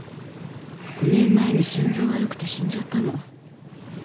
５年前に心臓悪くて死んじゃったの。